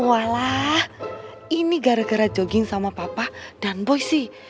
walah ini gara gara jogging sama papa dan boy sih